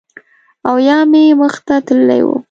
او یا مې مخ ته تللی و